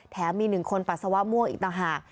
มี๑คนปัสสาวะม่วงอีกต่างหาก